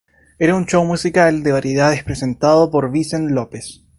Era un show musical y de variedades presentado por Vincent Lopez.